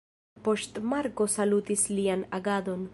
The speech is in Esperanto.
Poŝtmarko salutis lian agadon.